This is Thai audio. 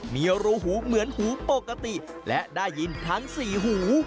มีรูหูเหมือนหูปกติและได้ยินทั้งสี่หู